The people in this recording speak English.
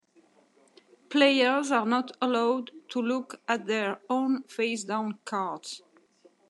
Players are not allowed to look at their own face-down cards.